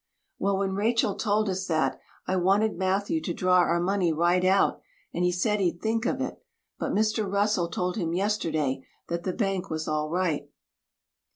"Well, when Rachel told us that, I wanted Matthew to draw our money right out and he said he'd think of it. But Mr. Russell told him yesterday that the bank was all right."